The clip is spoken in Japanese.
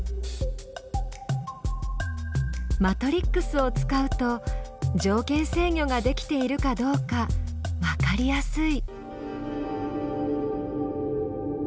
マトリックスを使うと条件制御ができているかどうかわかりやすい。